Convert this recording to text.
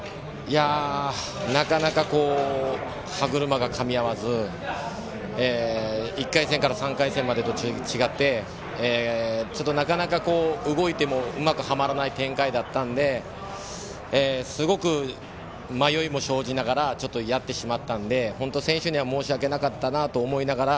なかなか歯車がかみ合わず１回戦から３回戦までと違ってちょっと、なかなか動いてもうまくはまらない展開だったのですごく迷いも生じながらやってしまったんで本当に選手には申し訳なかったなと思いながら。